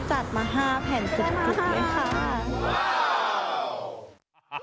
ก็จัดมา๕แผ่นจุกไว้